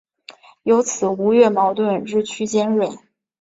从此吴越矛盾日趋尖锐。